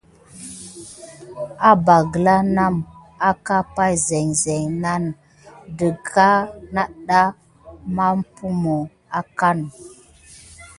Aba gǝla namǝ, ah pan zin zin nanǝ, digga nadan nampumo ǝnka.